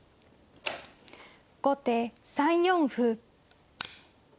後手３四歩。